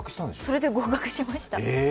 それで合格しました。